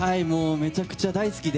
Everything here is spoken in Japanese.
めちゃくちゃ大好きで。